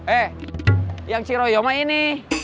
eh yang ciroyom ini